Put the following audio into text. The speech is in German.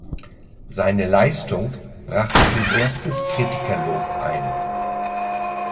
Seine Leistung brachte ihm erstes Kritikerlob ein.